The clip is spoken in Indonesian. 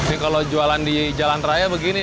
ini kalau jualan di jalan raya begini